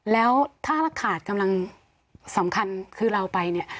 แล้วถ้าขาดกำลังสำคัญคือเราไปเนี่ย